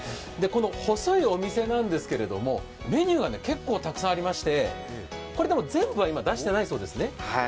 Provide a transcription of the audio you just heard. この細いお店なんですけれども、メニューが結構たくさんありまして、全部は今出してないそうですね。